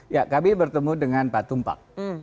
ya kami bertemu dengan pak tumpak